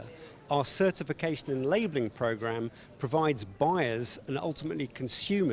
program sertifikasi dan label kita memberikan pelanggan dan akhirnya pengguna